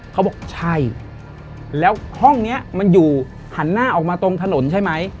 เขาบอกใช่แล้วห้องนี้มันอยู่หันหน้าออกมาตรงถนนใช่ไหม